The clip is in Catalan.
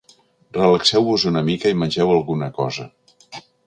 Relaxeu-vos una mica i mengeu alguna cosa.